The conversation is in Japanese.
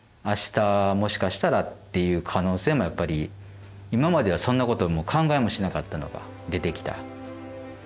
明日もしかしたらっていう可能性もやっぱり今まではそんなこと考えもしなかったのが出てきた。